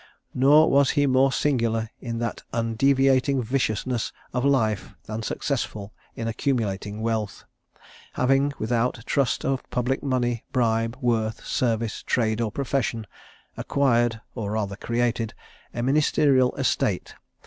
NOR WAS HE MORE SINGULAR IN THAT UNDEVIATING VICIOUSNESS OF LIFE THAN SUCCESSFUL IN ACCUMULATING WEALTH, HAVING, WITHOUT TRUST OF PUBLIC MONEY, BRIBE, WORTH, SERVICE, TRADE, OR PROFESSION, ACQUIRED, OR RATHER CREATED, A MINISTERIAL ESTATE.